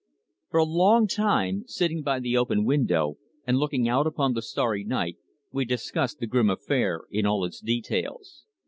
For a long time, sitting by the open window and looking out upon the starry night, we discussed the grim affair in all its details.